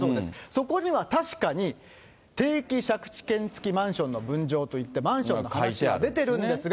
そこには確かに、定期借地権付きマンションの分譲といって、マンションの話は出てるんですが、